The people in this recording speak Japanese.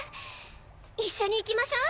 一緒に行きましょう。